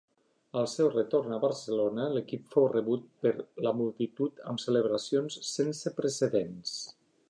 Al seu retorn a Barcelona l'equip fou rebut per la multitud amb celebracions sense precedents.